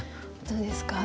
どうですか？